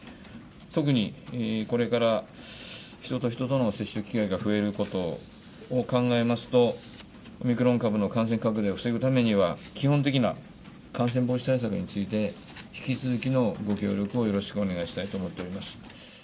特にこれから人と人との接触機会が増えることを考えますと、オミクロン株の感染拡大を防ぐためには、基本的な感染防止対策について、引き続きのご協力をよろしくお願いしたいと思っております。